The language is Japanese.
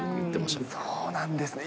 そうなんですね。